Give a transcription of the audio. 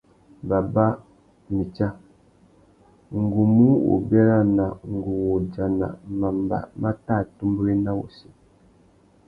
Baba, mitsa, ngu mù wô bérana ngu wô udjana mamba mà tà atumbéwena wussi.